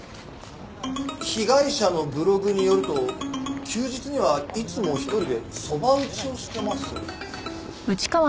被害者のブログによると休日にはいつも一人で蕎麦打ちをしてます。